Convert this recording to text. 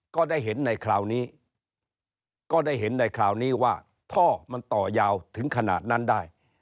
ก็ได้เห็นในคราวนี้ว่าท่อมันต่อยาวถึงขนาดนั้นได้